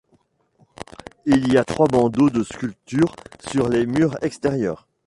Il y a trois bandeaux de sculptures sur les murs extérieurs.